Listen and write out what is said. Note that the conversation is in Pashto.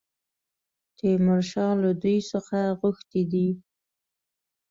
تیمورشاه له دوی څخه غوښتي دي.